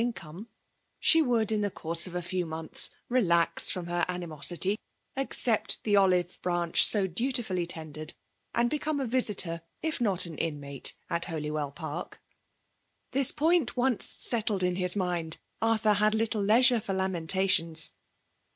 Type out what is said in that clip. income^ she would, in the course of a few months, relax from her animosity, — accept the olive branch so dutifully tendered, — and be come a visitor, if not an inmate, at Holywell Park. This point once settled in his mind, Arthur had little leisure for lamentations.